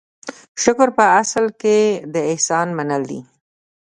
شکر په اصل کې د احسان منل دي.